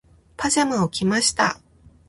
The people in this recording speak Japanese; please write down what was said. パジャマを着ました。